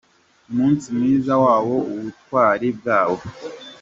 umunsi mwiza wabo, ubutwari bwabo.